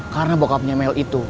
karena bokapnya mel itu